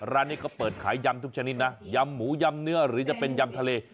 ร้านนี้เขาเปิดขายยำทุกชนิดนะยำหมูยำเนื้อหรือจะเป็นยำทะเล